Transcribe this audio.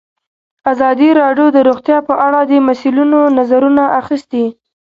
ازادي راډیو د روغتیا په اړه د مسؤلینو نظرونه اخیستي.